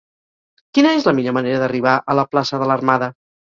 Quina és la millor manera d'arribar a la plaça de l'Armada?